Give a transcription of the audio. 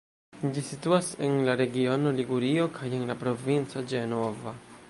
Ĝi situas en la regiono Ligurio kaj en la provinco Ĝenova.